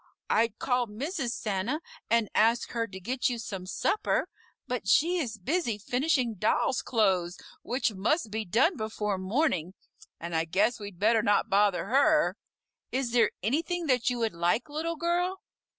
I'd call Mrs. Santa and ask her to get you some supper, but she is busy finishing dolls' clothes which must be done before morning, and I guess we'd better not bother her. Is there anything that you would like, Little Girl?"